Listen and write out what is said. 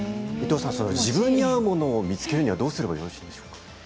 自分に合うものを見つけるにはどうしたらよろしいでしょうか。